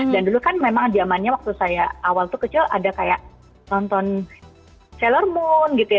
dan dulu kan memang jamannya waktu saya awal tuh kecil ada kayak nonton sailor moon gitu ya